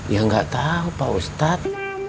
ya gak tau pak ustad